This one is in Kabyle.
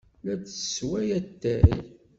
La d-tessewway atay.